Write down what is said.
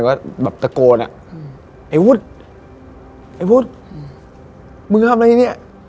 มันก็แบบตะโกนอะไอ้บุ๊ตไอ้บุ๊ตมึงอาบอะไรเนี่ย